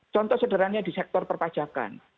contoh sederhananya di sektor perpajakan